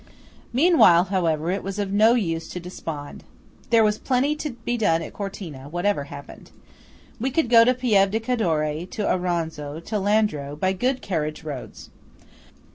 Meanwhile, however, it was of no use to despond. There was plenty to be done at Cortina, whatever happened. We could go to Pieve di Cadore, to Auronzo, to Landro, by good carriage roads.